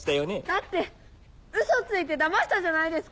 だってウソついてだましたじゃないですか